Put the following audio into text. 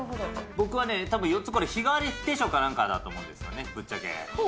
僕はね、たぶん４つ、これ、日替わり定食かなんかだと思うんですよね、ぶっちゃけ。